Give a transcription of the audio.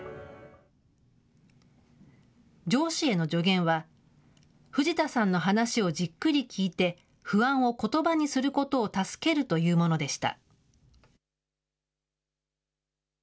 上司への助言は、藤田さんの話をじっくり聞いて、不安をことばにすることを助けるというものでした。